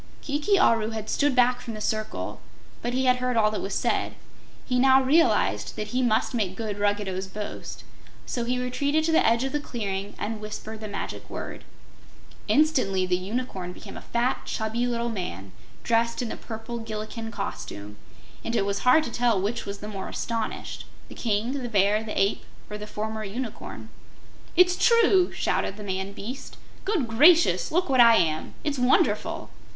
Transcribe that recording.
Kiki Aru had stood back from the circle, but he had heard all that was said. He now realized that he must make good Ruggedo's boast, so he retreated to the edge of the clearing and whispered the magic word. Instantly the Unicorn became a fat, chubby little man, dressed in the purple Gillikin costume, and it was hard to tell which was the more astonished, the King, the Bear, the Ape or the former Unicorn. "It's true!" shorted the man beast. "Good gracious, look what I am! It's wonderful!"